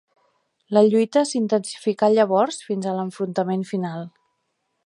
La lluita s'intensificà llavors fins a l'enfrontament final.